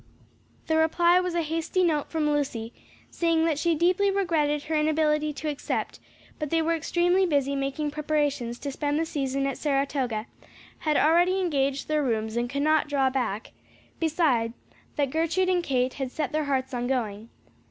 The reply was a hasty note from Lucy saying that she deeply regretted her inability to accept, but they were extremely busy making preparations to spend the season at Saratoga, had already engaged their rooms and could not draw back; beside that Gertrude and Kate had set their hearts on going.